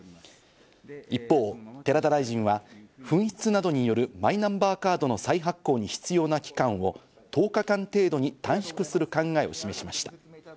一方、寺田大臣は紛失などによるマイナンバーカードの再発行に必要な期間を１０日間程度に短縮する考えを示しました。